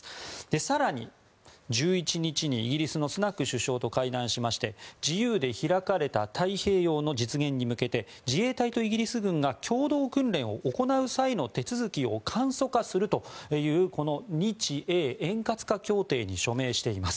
更に１１日にイギリスのスナク首相と会談しまして自由で開かれた太平洋の実現に向けて自衛隊とイギリス軍が共同訓練を行う際の手続きを簡素化するというこの日英円滑化協定に署名しています。